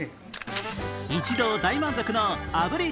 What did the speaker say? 一同大満足の炙り